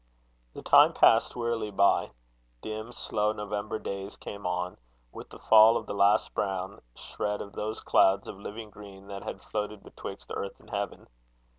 The time passed wearily by. Dim, slow November days came on, with the fall of the last brown shred of those clouds of living green that had floated betwixt earth and heaven.